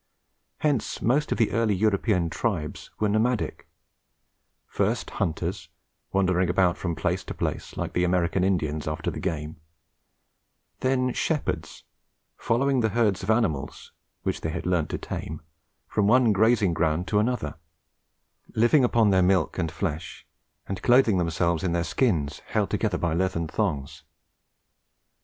Hence most of the early European tribes were nomadic: first hunters, wandering about from place to place like the American Indians, after the game; then shepherds, following the herds of animals which they had learnt to tame, from one grazing ground to another, living upon their milk and flesh, and clothing themselves in their skins held together by leathern thongs.